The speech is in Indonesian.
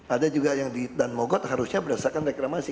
ada juga yang di danmogot harusnya berdasarkan reklamasi